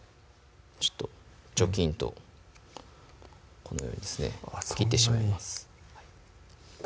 ちょっとジョキンとこのようにですね切ってしまいます